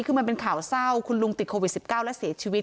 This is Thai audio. คือมันเป็นข่าวเศร้าคุณลุงติดโควิด๑๙และเสียชีวิต